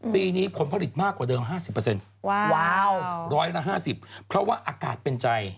ปีนี้ผลประวิดมากกว่าเดิน๕๐๑๕๐เพราะว่าอากาศเป็นใจ